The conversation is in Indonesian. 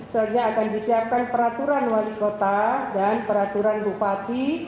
sehingga akan disiapkan peraturan wali kota dan peraturan bupati